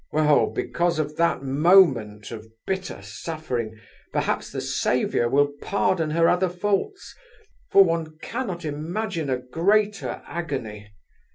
Well, because of that moment of bitter suffering, perhaps the Saviour will pardon her other faults, for one cannot imagine a greater agony.